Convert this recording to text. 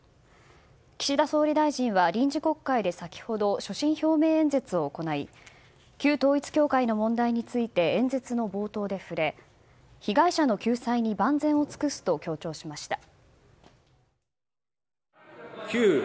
岸田総理大臣は臨時国会で先ほど所信表明演説を行い旧統一教会の問題について演説の冒頭で触れ被害者の救済に万全を尽くすと強調しました。